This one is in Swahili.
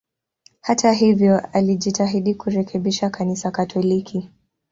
Hata hivyo, alijitahidi kurekebisha Kanisa Katoliki.